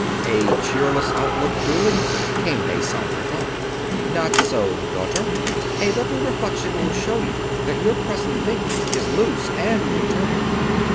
"A cheerless outlook, truly," came a somber thought. "Not so, daughter. A little reflection will show you that your present thinking is loose and turbid.